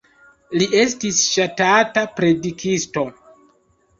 Li estis ŝatata predikisto.